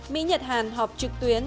mỹ nhật hàn họp trực tuyến